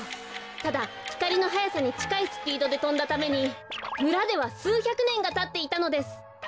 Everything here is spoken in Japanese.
ただひかりのはやさにちかいスピードでとんだためにむらではすうひゃくねんがたっていたのです。